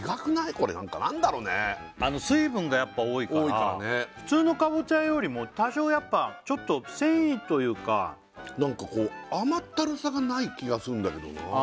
これ何か何だろうねあの水分がやっぱ多いから多いからね普通のかぼちゃよりも多少やっぱちょっと繊維というか何かこう甘ったるさがない気がするんだけどなあ